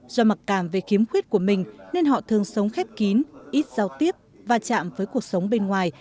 do mặc cảm về khiếm khuyết của mình nên họ thường sống khép kín ít giao tiếp và chạm với cuộc sống bên ngoài